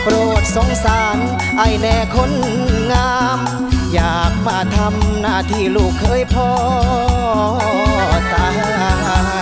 โปรดสงสารไอ้แด่คนงามอยากมาทำหน้าที่ลูกเคยพอตา